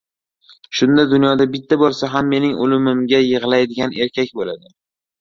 Shunda dunyoda bitta boʻlsa ham mening oʻlimimga yigʻlaydigan erkak boʻladi.